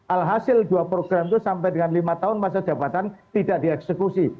alhasil dua program itu sampai dengan lima tahun masa jabatan tidak dieksekusi